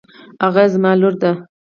هُدا زما لور ده.